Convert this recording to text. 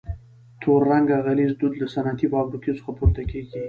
تور رنګه غلیظ دود له صنعتي فابریکو څخه پورته کیږي.